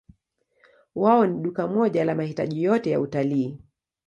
Wao ni duka moja la mahitaji yote ya utalii.